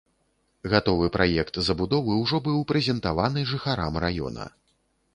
Гатовы праект забудовы ўжо быў прэзентаваны жыхарам раёна.